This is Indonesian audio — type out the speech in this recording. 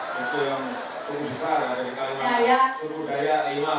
suku yang besar ada di kalimantan